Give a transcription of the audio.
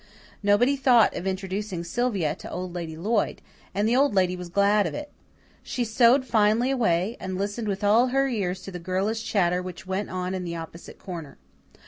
Nobody thought of introducing Sylvia to Old Lady Lloyd, and the Old Lady was glad of it. She sewed finely away, and listened with all her ears to the girlish chatter which went on in the opposite corner.